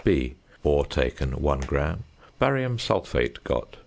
(b) Ore taken, 1 gram. Barium sulphate got, 1.